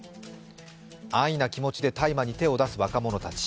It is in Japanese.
安易な気持ちで大麻に手を出す若者たち。